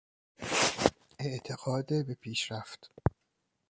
اعتقاد به پیشرفت